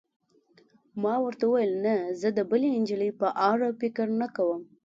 ما ورته وویل: نه، زه د بلې نجلۍ په اړه فکر نه کوم.